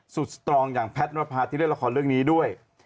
สตรองอย่างแพทย์นภาที่เล่นละครเรื่องนี้ด้วย